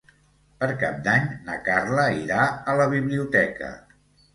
Per Cap d'Any na Carla irà a la biblioteca.